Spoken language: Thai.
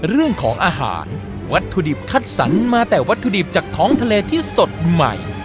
เรื่องของอาหารวัตถุดิบคัดสรรมาแต่วัตถุดิบจากท้องทะเลที่สดใหม่